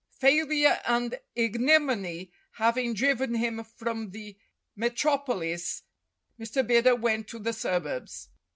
Failure and ignominy having driven him from the metropolis Mr. Bidder went to the suburbs.